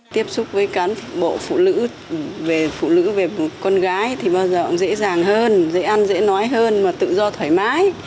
tiếp xúc với cán bộ phụ nữ về phụ nữ về con gái thì bao giờ cũng dễ dàng hơn dễ ăn dễ nói hơn mà tự do thoải mái